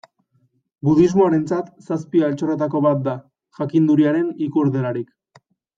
Budismoarentzat zazpi altxorretako bat da, jakinduriaren ikur delarik.